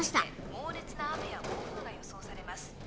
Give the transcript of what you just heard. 猛烈な雨や暴風が予想されます